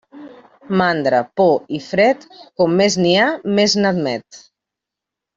Mandra, por i fred, com més n'hi ha més n'admet.